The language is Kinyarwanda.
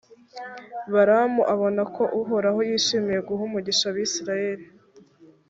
balamu abona ko uhoraho yishimiye guha umugisha abayisraheli.